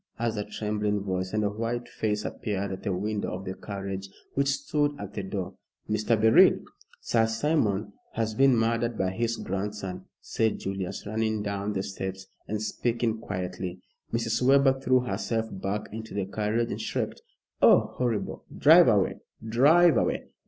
asked a trembling voice, and a white face appeared at the window of the carriage which stood at the door. "Mr. Beryl!" "Sir Simon has been murdered by his grandson," said Julius, running down the steps and speaking quietly. Mrs. Webber threw herself back into the carriage and shrieked, "Oh, horrible! Drive away drive away."